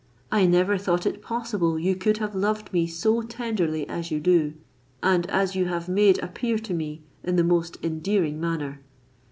I never thought it possible you could have loved me so tenderly as you do, and as you have made appear to me in the most endearing manner."